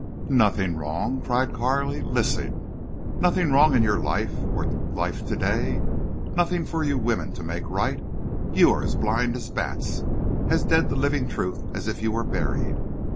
"Nothing wrong!" cried Carley. "Listen. Nothing wrong in you or life today—nothing for you women to make right? You are blind as bats—as dead to living truth as if you were buried.